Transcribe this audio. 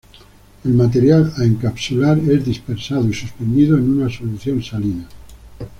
El material a encapsular es dispersado y suspendido en una solución salina.